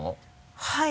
はい。